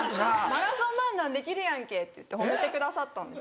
「マラソン漫談できるやんけ」って言って褒めてくださったんです。